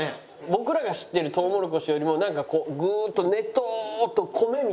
僕らが知ってるトウモロコシよりもなんかこうグーッとねとっと米みたいな感じです。